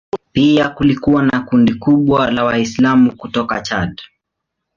Pia kulikuwa na kundi kubwa la Waislamu kutoka Chad.